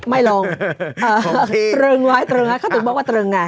ไม่ลงตรึงไว้ตรึงข้าตื่นบอกว่าตรึงไง